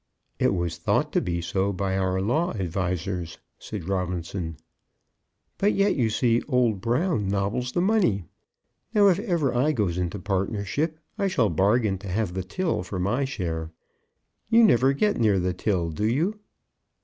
"It was thought to be so by our law advisers," said Robinson. "But yet, you see, old Brown nobbles the money. Now, if ever I goes into partnership, I shall bargain to have the till for my share. You never get near the till, do you?"